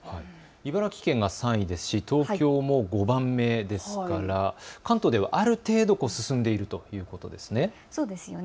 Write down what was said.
茨城県が３位ですし東京も５番目ですから関東ではある程度、進んでいるということですね。